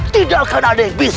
tidak akan ada yang bisa